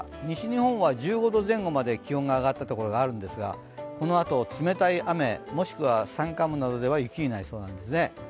西日本は１５度前後まで気温が上がったところがあるんですが、このあと冷たい雨、もしくは山間部などでは雪になりそうなんですね。